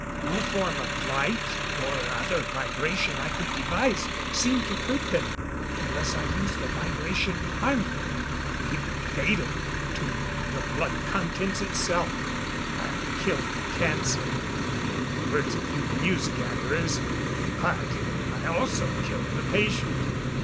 No form of light or other vibration I could devise, seemed to hurt them unless I used a vibration harmful, even fatal, to the blood contents itself: I killed the cancer in the words of you news gatherers but I also killed the patient."